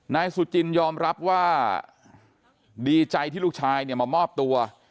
นายสุจินยอมรับว่าดีใจที่ลูกชายเนี่ยมามอบตัว